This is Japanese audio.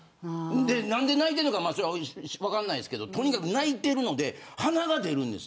何で泣いているのかは分かんないですけどとにかく泣いているのではなが出るんです。